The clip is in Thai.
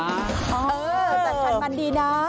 อ๋อแสบมันดีนะ